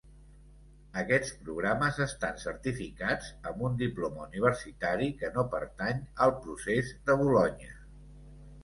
Aquests programes estan certificats amb un diploma universitari que no pertany al procés de Bolonya.